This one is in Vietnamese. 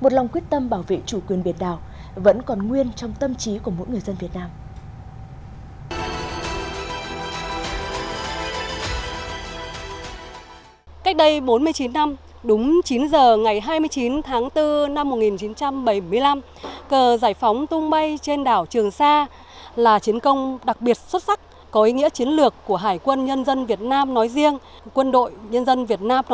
một lòng quyết tâm bảo vệ chủ quyền biển đảo vẫn còn nguyên trong tâm trí của mỗi người dân việt nam